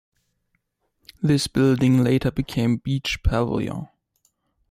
This building later became Beach Pavilion.